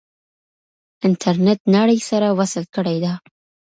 انټرنیټ نړۍ سره وصل کړې ده.